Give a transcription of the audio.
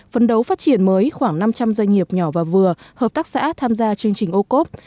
phấn đấu phát triển mới khoảng năm trăm linh doanh nghiệp nhỏ và vừa hợp tác xã tham gia chương trình ô cốp